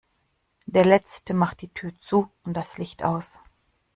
Der Letzte macht die Tür zu und das Licht aus.